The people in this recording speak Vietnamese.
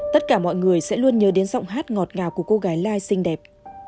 tất cả mọi người sẽ luôn nhớ đến giọng hát ngọt ngào của cô gái lai xinh đẹp